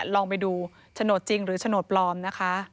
ลองไปดูโฉนดจริงหรือโฉนดปลอมนะคะ